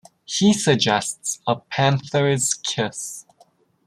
He suggests a Panther's Kiss.